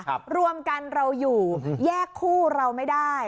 รวมกันเราอยู่แยกคู่เราไม่ได้